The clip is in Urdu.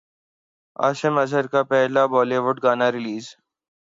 عاصم اظہر کا پہلا بولی وڈ گانا ریلیز